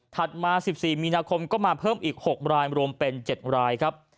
มา๑๔มีนาคมก็มาเพิ่มอีก๖รายรวมเป็น๗รายครับ